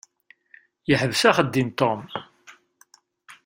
Yeḥbes axeddim Tom.